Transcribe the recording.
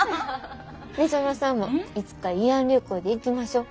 御園さんもいつか慰安旅行で行きましょう。